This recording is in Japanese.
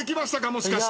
もしかして。